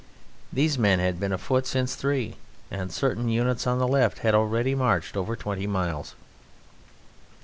These men had been afoot since three, and certain units on the left had already marched over twenty miles.